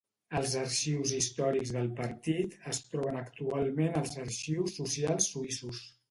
Els arxius històrics del partit es troben actualment als Arxius socials suïssos.